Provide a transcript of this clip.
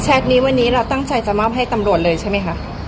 นี้วันนี้เราตั้งใจจะมอบให้ตำรวจเลยใช่ไหมคะ